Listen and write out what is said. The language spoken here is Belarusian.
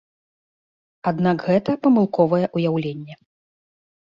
Аднак гэта памылковае ўяўленне.